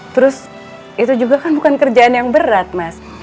terus itu juga kan bukan kerjaan yang berat mas